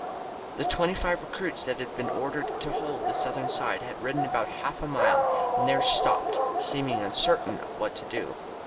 The twenty five recruits that had been ordered to hold the southern side had ridden out about half a mile, and there stopped, seeming uncertain what to do.